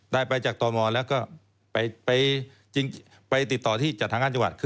ได้ไปจากตมแล้วก็ไปติดต่อที่จัดทางการจังหวัด